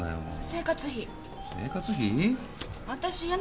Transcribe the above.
生活費⁉私家